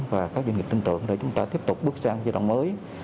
và các doanh nghiệp tin tưởng để chúng ta tiếp tục bước sang giai đoạn mới